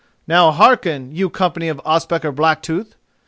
Now hearken, you company of Ospakar Blacktooth!